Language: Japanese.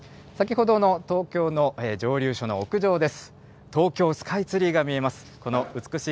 先ほどの東京の蒸留所の屋上です。